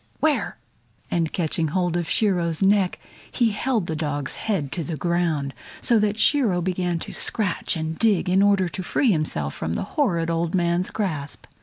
Where?" And catching hold of Shiro's neck he held the dog's head to the ground, so that Shiro began to scratch and dig in order to free himself from the horrid old man's grasp.